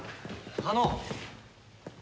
あの！